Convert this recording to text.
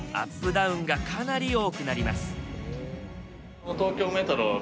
ダウンがかなり多くなります。